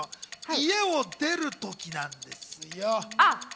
家を出るときなんです。